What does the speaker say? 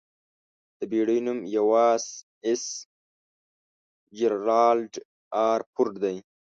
د بېړۍ نوم 'یواېساېس جېرالډ ار فورډ' دی.